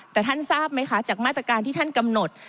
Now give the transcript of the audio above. แต่ท่านทราบไหมคะจากมาตรการที่ท่านกำหนด